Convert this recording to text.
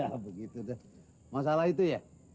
ya begitu deh masalah itu ya